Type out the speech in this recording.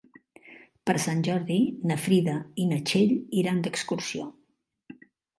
Per Sant Jordi na Frida i na Txell iran d'excursió.